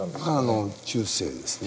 中世ですね。